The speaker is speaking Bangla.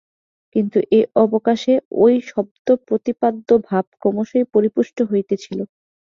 কিন্তু এই অবকাশে ঐ শব্দ-প্রতিপাদ্য ভাব ক্রমশই পরিপুষ্ট হইতেছিল।